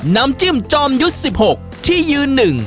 น้ำจิ้มจอมยุทธ์๑๖ที่ยืน๑